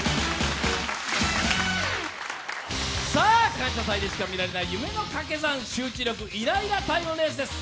「感謝祭」でしか見られない夢のカケ算集中力イライラタイムレースです。